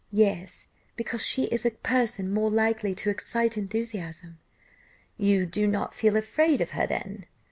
"Yes, because she is a person more likely to excite enthusiasm." "You did not feel afraid of her, then?"